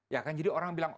ya kan jadi orang bilang